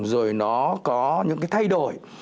rồi nó có những cái thay đổi